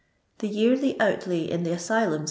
The yearly outlay in the asylums, &c.